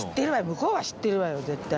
向こうは知ってるわよ絶対。